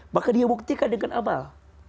maka dia buktikan dengan amal